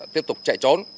tiếp tục chạy trốn